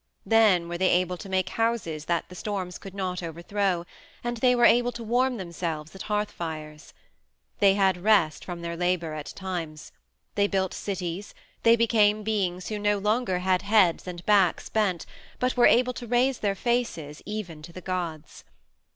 Then were they able to make houses that the storms could not overthrow, and they were able to warm themselves at hearth fires. They had rest from their labor at times. They built cities; they became beings who no longer had heads and backs bent but were able to raise their faces even to the gods.